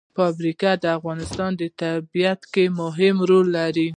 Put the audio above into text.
فاریاب د افغانستان په طبیعت کې مهم رول لري.